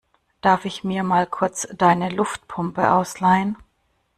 Darf ich mir mal kurz deine Luftpumpe ausleihen?